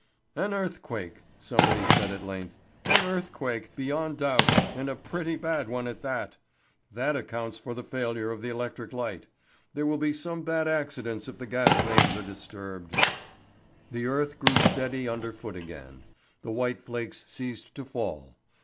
"An earthquake," somebody said at length. "An earthquake, beyond doubt, and a pretty bad one at that. That accounts for the failure of the electric light. There will be some bad accidents if the gas mains are disturbed." The earth grew steady underfoot again, the white flakes ceased to fall.